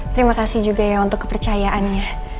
terima kasih juga ya untuk kepercayaannya